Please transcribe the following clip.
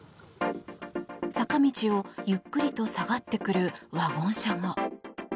坂道をゆっくりと下がってくるワゴン車が。